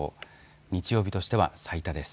日曜日としては最多です。